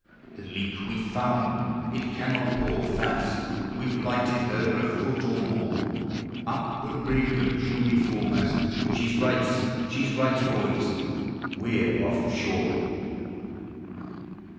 The leak we 've found, it cannot pour fast ; We 've lighted her a foot or more; Up and rig a jury foremast, She rights ! she rights, boys ! we 're off shore.